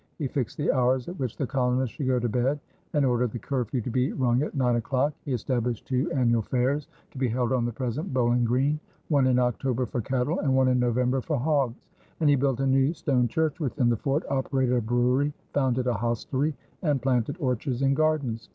He fixed the hours at which the colonists should go to bed and ordered the curfew to be rung at nine o'clock; he established two annual fairs to be held on the present Bowling Green, one in October for cattle and one in November for hogs; and he built a new stone church within the fort, operated a brewery, founded a hostelry, and planted orchards and gardens.